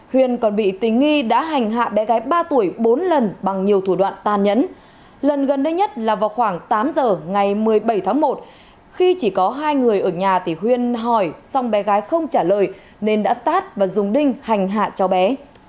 huyền còn bị tình nghi đã hành hạ bé gái ba tuổi bốn lần bằng nhiều thủ đoạn tàn nhẫn lần gần đây nhất là vào khoảng tám giờ ngày một mươi bảy tháng một khi chỉ có hai người ở nhà thì huyền hỏi xong bé gái không trả lời nên đã tát và dùng đinh hành hạ cháu bé